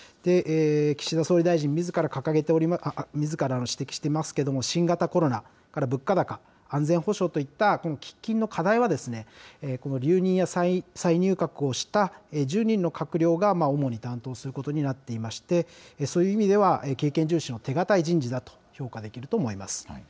岸田総理大臣みずから指摘していますけれども、新型コロナ、物価高、安全保障といった喫緊の課題は、この留任や再入閣をした１０人の閣僚が主に担当することになっていまして、そういう意味では経験重視の手堅い人事だと評価できると思います。